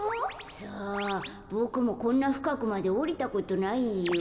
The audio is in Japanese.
さあボクもこんなふかくまでおりたことないよ。